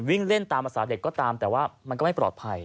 วิ่งเล่นตามภาษาเด็กก็ตามแต่ว่ามันก็ไม่ปลอดภัย